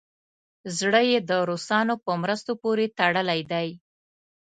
زړه یې د روسانو په مرستو پورې تړلی دی.